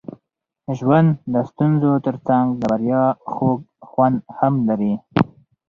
ژوند د ستونزو ترڅنګ د بریا خوږ خوند هم لري.